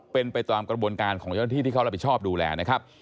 เป็นไปตามกระบวนการของเจ้าหน้าที่ที่เขารับผิดชอบดูแลนะครับ